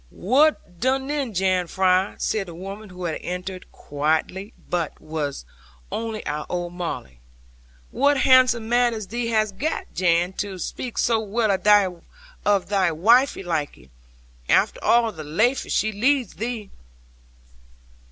'Wull done then, Jan Vry,' said the woman, who had entered quietly, but was only our old Molly. 'Wutt handsome manners thee hast gat, Jan, to spake so well of thy waife laike; after arl the laife she leads thee!'